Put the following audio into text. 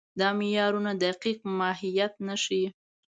دا معیارونه دقیق ماهیت نه ښيي.